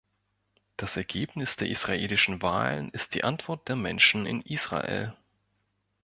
Das Ergebnis der israelischen Wahlen ist die Antwort der Menschen in Israel.